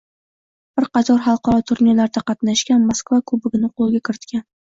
Bir qator xalqaro turnirlarda qatnashgan, Moskva kubogini qo‘lga kiritgan